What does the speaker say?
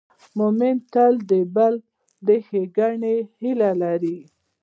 مؤمن تل د بل د ښېګڼې هیله لري.